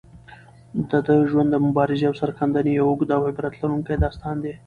د ده ژوند د مبارزې او سرښندنې یو اوږد او عبرت لرونکی داستان دی.